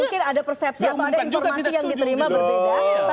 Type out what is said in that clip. mungkin ada persepsi atau ada informasi yang diterima berbeda